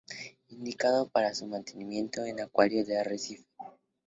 Indicado para su mantenimiento en acuario de arrecife.